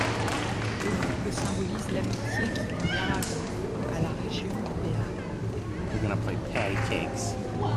Le couple symbolise l’amitié qui lie l’Aragon à la région du Béarn.